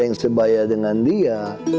yang sebaya dengan dia